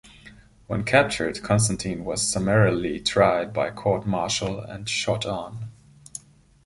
When captured, Konstantine was summarily tried by court martial and shot on.